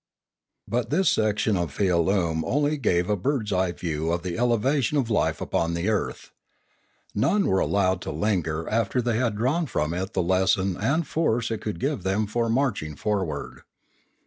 But this section of Fialume only gave a bird's eye view of the elevation of life upon the earth. None were allowed to linger after they had drawn from it the lesson and the force it could give them for marching forward.